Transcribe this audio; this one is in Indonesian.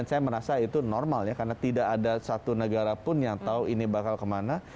saya merasa itu normal ya karena tidak ada satu negara pun yang tahu ini bakal kemana